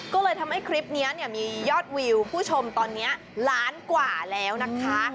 ก็เลยทำให้คลิปนี้เนี่ยมียอดวิวผู้ชมตอนนี้ล้านกว่าแล้วนะคะ